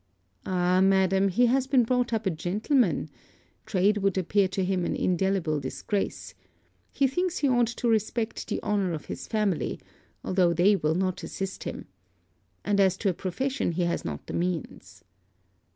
'Ah, madam, he has been brought up a gentleman. Trade would appear to him an indelible disgrace. He thinks he ought to respect the honour of his family, although they will not assist him. And as to a profession he has not the means.'